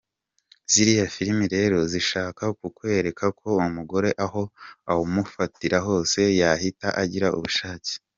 Ziriya filimi rero zishaka kukwereka ko umugore aho wamufatira hose yahita agira ubushake.